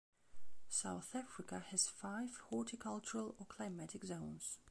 South Africa has five horticultural or climatic zones.